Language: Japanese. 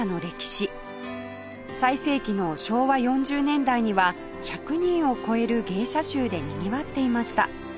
最盛期の昭和４０年代には１００人を超える芸者衆でにぎわっていました